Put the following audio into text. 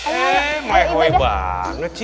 eh mahoi banget sih